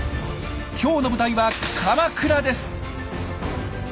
今日の舞台は鎌倉です。